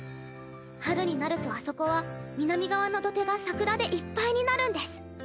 春になるとあそこは南側の土手が桜でいっぱいになるんです。